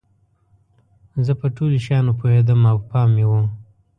زه په ټولو شیانو پوهیدم او پام مې و.